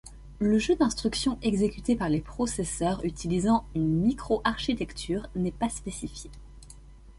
Le jeu d'instructions exécuté par les processeurs utilisant une microarchitecture n'est pas spécifié.